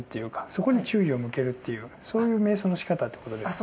そこに注意を向けるっていうそういう瞑想のしかたってことですか。